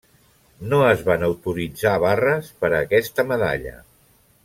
No es van autoritzar barres per a aquesta medalla.